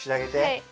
はい。